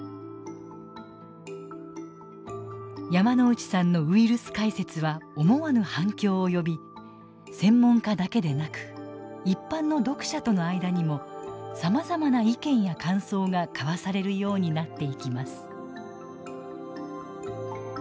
山内さんのウイルス解説は思わぬ反響を呼び専門家だけでなく一般の読者との間にもさまざまな意見や感想が交わされるようになっていきます。